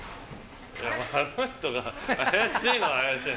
あの人が怪しいのは怪しい。